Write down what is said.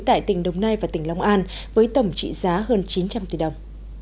tại tỉnh đồng nai và tỉnh long an với tổng trị giá hơn chín trăm linh tỷ đồng